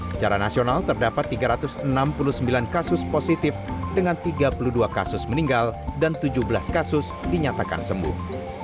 secara nasional terdapat tiga ratus enam puluh sembilan kasus positif dengan tiga puluh dua kasus meninggal dan tujuh belas kasus dinyatakan sembuh